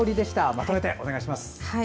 まとめてお願いします。